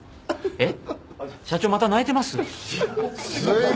えっ！？